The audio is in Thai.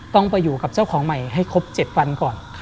ต้องไปอยู่กับเจ้าของใหม่ให้ครบ๗วันก่อน